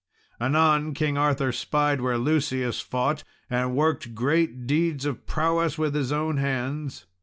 Anon, King Arthur spied where Lucius fought and worked great deeds of prowess with his own hands.